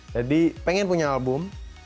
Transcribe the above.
jadi pengen punya album